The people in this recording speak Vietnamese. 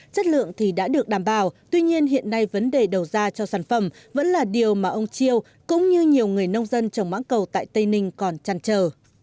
chất lượng thì đã được đảm bảo tuy nhiên hiện nay vấn đề đầu ra cho sản phẩm vẫn là điều mà ông chiêu cũng như nhiều người nông dân trồng mắng cầu tại tây ninh còn chăn chờ